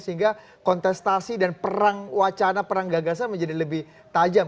sehingga kontestasi dan perang wacana perang gagasan menjadi lebih tajam